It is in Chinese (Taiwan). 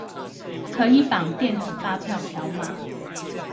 可以綁電子發票條碼